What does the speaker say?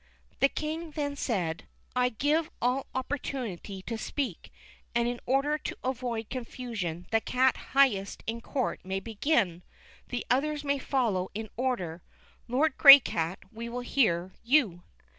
The King then said : I now give all opportunity to speak, and in order to avoid confusion the cat highest in court may begin. The others may follow in order. Lord Graycat, we will hear you."